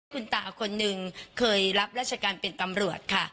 คุณตาคนนึงเคยรับราชการเป็นตำรวจค่ะ